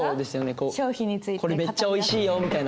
こう「これめっちゃおいしいよ」みたいな。